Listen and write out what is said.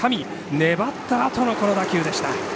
粘ったあとの、この打球でした。